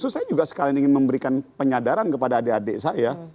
saya juga sekalian ingin memberikan penyadaran kepada adik adik saya